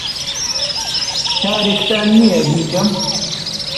کارێکتان نییە بیکەم؟